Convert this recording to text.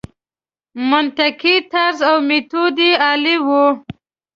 منطقي طرز او میتود یې عالي وي.